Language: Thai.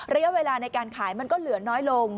ระยะเวลาในการขายมันก็เหลือน้อยลง